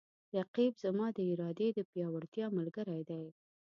رقیب زما د ارادې د پیاوړتیا ملګری دی